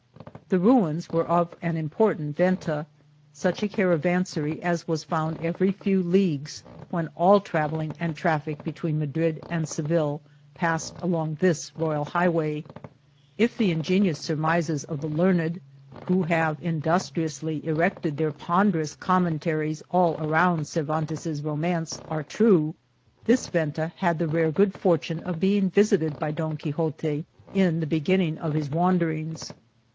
The ruins were of an important Venta, such a caravanserai as was found every few leagues when all travelling and traffic be tween Madrid and Seville passed along this royal highway. If the ingenious surmises of the learned, who have industriously erected their ponderous commentaries all around Cervantes's romance, are true, this Venta had the rare good fortune of being visited by Don Quixote in the beginning of his wan derings.